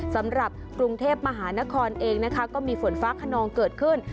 สำหรับกรุงเทพมหานครเองนะคะก็มีฝนฟ้าขนองเกิดขึ้น